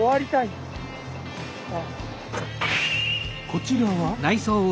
こちらは。